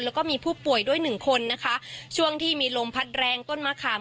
แล้วก็มีผู้ป่วยด้วยหนึ่งคนนะคะช่วงที่มีลมพัดแรงต้นมะขาม